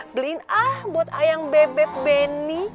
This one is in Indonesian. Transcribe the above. beliin ah buat ayam bebek benny